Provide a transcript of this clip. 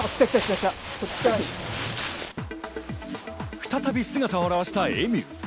再び姿を現したエミュー。